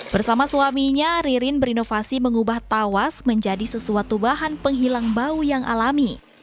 bersama suaminya ririn berinovasi mengubah tawas menjadi sesuatu bahan penghilang bau yang alami